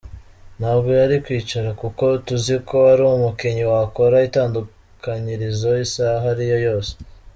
Ntabwo yari kwicara kuko tuziko ari umukinnyi wakora itandukanyirizo isaha iyo ari yo yose.